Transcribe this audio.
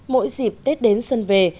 mỗi dịp tết đến xuân về